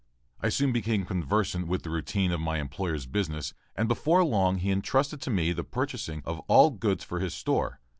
I soon became conversant with the routine of my employer's business and before long he entrusted to me the purchasing of all goods for his store.